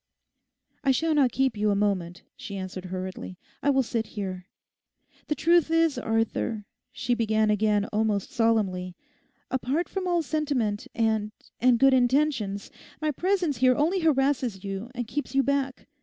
'I shall not keep you a moment,' she answered hurriedly; 'I will sit here. The truth is, Arthur,' she began again almost solemnly, 'apart from all sentiment and—and good intentions, my presence here only harasses you and keeps you back.